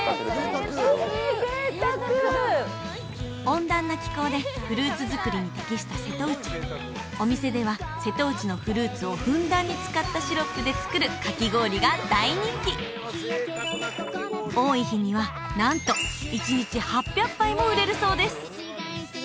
温暖な気候でフルーツ作りに適した瀬戸内お店では瀬戸内のフルーツをふんだんに使ったシロップで作るかき氷が大人気多い日にはなんと１日８００杯も売れるそうです